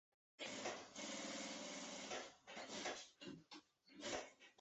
珍珠宝螺为宝螺科宝螺属下的一个种。